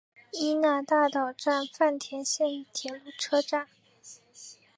伊那大岛站饭田线的铁路车站。